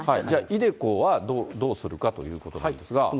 じゃあ、ｉＤｅＣｏはどうするかということなんですが。